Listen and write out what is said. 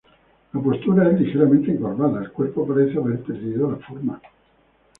La postura es ligeramente encorvada, el cuerpo parece haber perdido la forma.